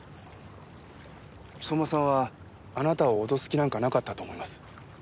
相馬さんはあなたを脅す気なんかなかったと思います。